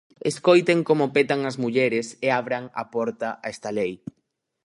Escoiten como petan as mulleres, e abran a porta a esta lei.